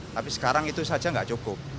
tapi sekarang itu saja nggak cukup